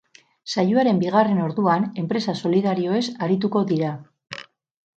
Saioaren bigarren orduan enpresa solidarioez arituko dira.